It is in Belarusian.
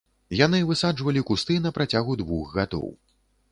Яны высаджвалі кусты на працягу двух гадоў.